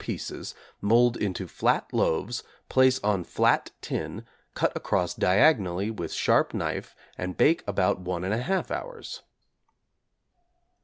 pieces, mould into flat loaves, place on flat tin, cut across diagonally with sharp knife and bake about 1 1/2 hours).